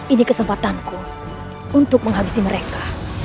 ini kesempatanku untuk menghabisi mereka